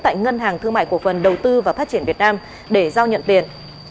tại ngân hàng thương mại cổ phần đầu tư và phát triển việt nam để giao nhận tiền